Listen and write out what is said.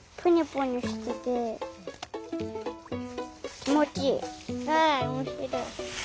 わあおもしろい。